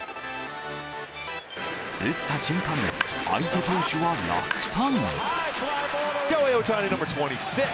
打った瞬間、相手投手は落胆。